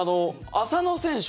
浅野選手